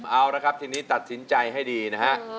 เอาละครับทีนี้ตัดสินใจให้ดีนะฮะ